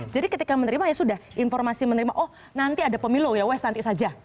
jadi ketika menerima ya sudah informasi menerima oh nanti ada pemilu ya wes nanti saja